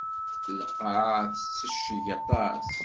Lqaɛa tettecceg aṭas.